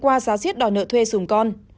qua giá giết đòi nợ thuê dùm con